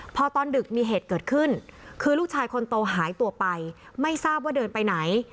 พอตอนดึกมีเหตุเกิดขึ้นคือลูกชายคนโตหายตัวไปไม่ทราบว่าเดินไปไหน